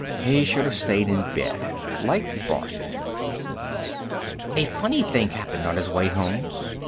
He should have stayed in bed, like Barth. A funny thing happened on his way home.